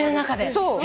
そう。